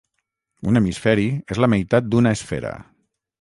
Un hemisferi és la meitat d'una esfera.